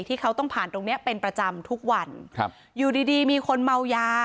ที่เขาต้องผ่านตรงเนี้ยเป็นประจำทุกวันครับอยู่ดีดีมีคนเมายา